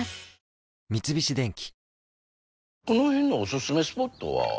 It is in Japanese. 三菱電機